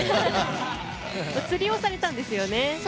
釣りをされたんですよね。